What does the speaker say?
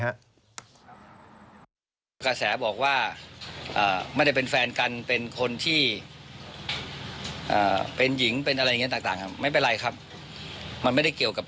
มีหลักฐานแล้วก็พยานที่เห็นในที่เกินเหตุนะครับท่านค่ะมีความเป็นไปได้ไหมค่ะ